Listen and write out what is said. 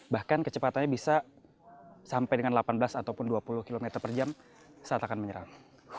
bahkan kecepatannya bisa sampai dengan delapan belas ataupun dua puluh km per jam saat akan menyerang